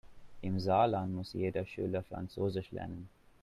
Im Saarland muss jeder Schüler französisch lernen.